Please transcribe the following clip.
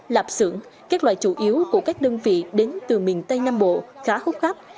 lạp sưởng các loại chủ yếu của các đơn vị đến từ miền tây nam bộ khá hút khắp